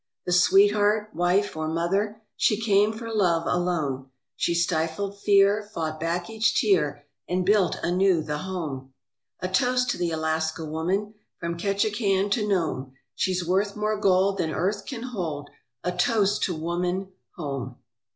The sweetheart, wife, or mother, She came for love alone, She stifled fear, fought back each tear, And built anew the home. A toast to the Alaska woman From Ketchikan to Nome, She's worth more gold than earth can hold, A toast to woman home.